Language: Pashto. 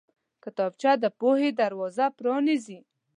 کتابچه د پوهې دروازه پرانیزي